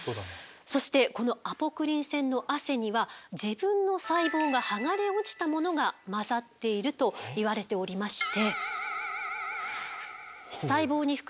そしてこのアポクリン腺の汗には自分の細胞が剥がれ落ちたものが混ざっているといわれておりまして。